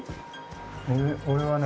俺はね。